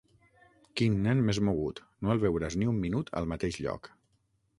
Quin nen més mogut: no el veuràs ni un minut al mateix lloc.